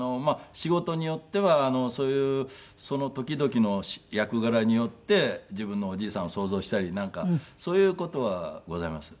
仕事によってはそういうその時々の役柄によって自分のおじいさんを想像したりなんかそういう事はございます。